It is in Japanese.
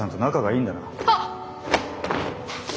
あっ！